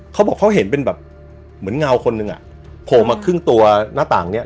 เขาบอกเขาเห็นเป็นแบบเหมือนเงาคนหนึ่งอ่ะโผล่มาครึ่งตัวหน้าต่างเนี้ย